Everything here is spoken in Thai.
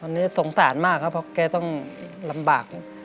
ตอนนี้สงสารมากครับเพราะแกต้องลำบาก